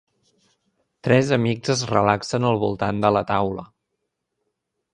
Tres amics es relaxen al voltant de la taula.